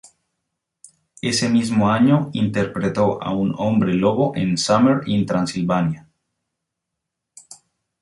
Ese mismo año interpretó a un hombre lobo en "Summer in Transylvania".